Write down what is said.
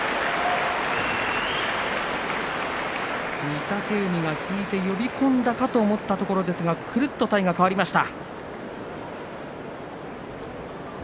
御嶽海が引いて呼び込んだかと思ったところですがくるっと体が変わりました。